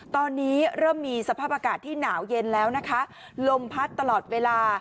ตอนนี้เริ่มมีสภาพอากาศที่หนาวเย็นแล้วนะคะลมพัดตลอดเวลา